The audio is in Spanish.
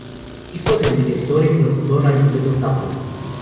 Hijo del director y productor Alfredo Tappan.